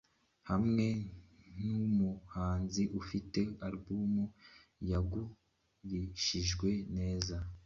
yahawe nk’umuhanzi ufite Album yagurishijwe neza